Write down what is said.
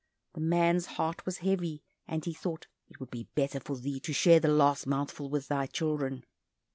The man's heart was heavy, and he thought "it would be better for thee to share the last mouthful with thy children."